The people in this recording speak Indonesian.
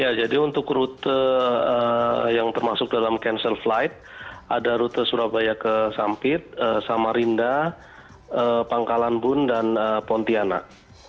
ya jadi untuk rute yang termasuk dalam cancel flight ada rute surabaya ke sampit samarinda pangkalan bun dan pontianak